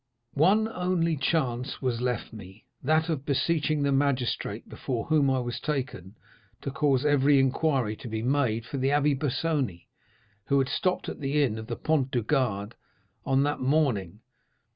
One only chance was left me, that of beseeching the magistrate before whom I was taken to cause every inquiry to be made for the Abbé Busoni, who had stopped at the inn of the Pont du Gard on that morning.